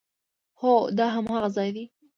هو، دا هماغه ځای ده